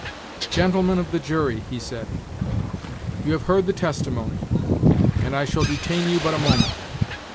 "Gentlemen of the jury," he said, "you have heard the testimony, and I shall detain you but a moment.